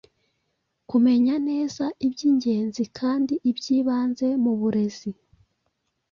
Kumenya neza iby’ingenzi kandi by’ibanze mu burezi